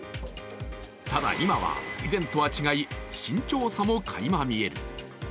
ただ今は以前とは違い、慎重さもかいま見える。